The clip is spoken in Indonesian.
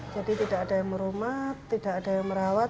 jadi tidak ada yang merumah tidak ada yang merawat